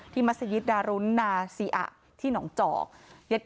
ที่มัศยิริริยุนาสีอะที่หนองเจาะ